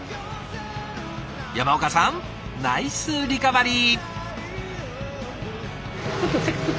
山岡さんナイスリカバリー。